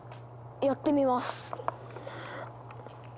やってみます。